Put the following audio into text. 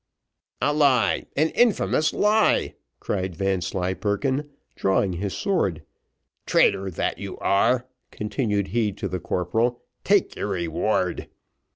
"A lie! an infamous lie!" cried Vanslyperken, drawing his sword. "Traitor, that you are," continued he to the corporal, "take your reward."